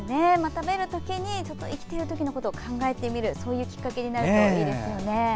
食べるときに生きてるときのことを考えてみるそういうきっかけになるといいですよね。